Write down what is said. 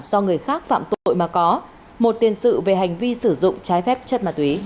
do người khác phạm tội mà có một tiền sự về hành vi sử dụng trái phép chất ma túy